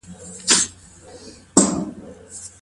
د ذهني ستړیا مخنیوي لپاره ملاتړ اړین دی.